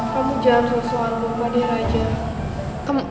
kamu jangan susah susah anggur raja